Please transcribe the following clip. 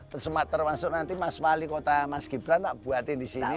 termasuk nanti mas wali kota mas gibran tak buatin di sini